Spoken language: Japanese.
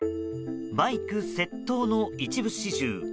バイク窃盗の一部始終。